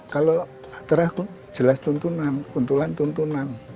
kalau terakhir jelas tuntunan kuntulan tuntunan